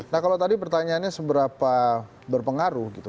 nah kalau tadi pertanyaannya seberapa berpengaruh gitu